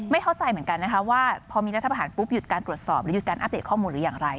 เข้าใจเหมือนกันนะคะว่าพอมีรัฐประหารปุ๊บหยุดการตรวจสอบหรือหยุดการอัปเดตข้อมูลหรืออย่างไร